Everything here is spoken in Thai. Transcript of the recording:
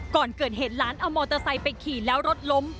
ก่อนเกิดเหตุหลานเอามอเตอร์ไซค์ไปขี่แล้วรถล้ม